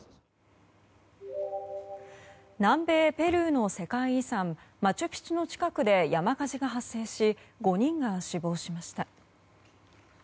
南米ペルーの世界遺産マチュピチュの近くで山火事が発生し５人が死亡しました。